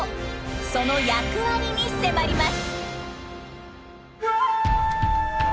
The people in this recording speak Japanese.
その役割に迫ります。